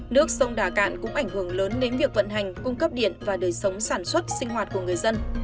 nước sông đà cạn cũng ảnh hưởng lớn đến việc vận hành cung cấp điện và đời sống sản xuất sinh hoạt của người dân